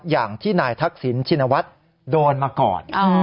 อย่างที่นายทักษิณชินวัฒน์โดนมาก่อน